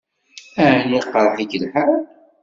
Ɛni iqṛeḥ-ik lḥal?